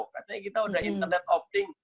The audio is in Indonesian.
katanya kita udah internet opting